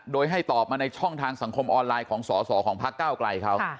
โดยให้ตอบมาในช่องทางสังคมออนไลน์ของสอสอของพักเก้าไกลเขา